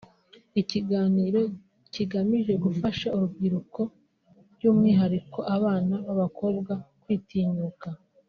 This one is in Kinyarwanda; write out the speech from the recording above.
ikiganiro kigamije gufasha urubyiruko by’umwihariko abana b’abakobwa kwitinyuka